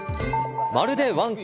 まるでワンコ？